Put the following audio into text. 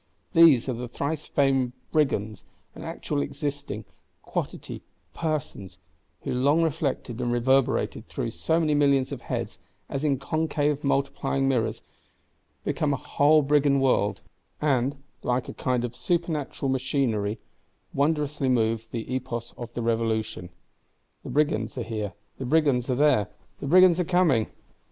These are the thrice famed Brigands: an actual existing quotity of persons: who, long reflected and reverberated through so many millions of heads, as in concave multiplying mirrors, become a whole Brigand World; and, like a kind of Supernatural Machinery wondrously move the Epos of the Revolution. The Brigands are here: the Brigands are there; the Brigands are coming!